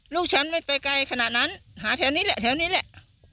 ลูกฉันไม่ไปไกลขนาดนั้นหาแถวนี้แหละแถวนี้แหละ